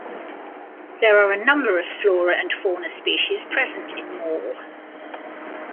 There are a number of flora and fauna species present in Maule.